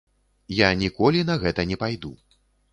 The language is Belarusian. Я ніколі на гэта не пайду.